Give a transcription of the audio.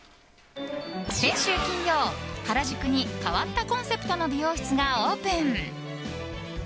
先週金曜、原宿に変わったコンセプトの美容室がオープン。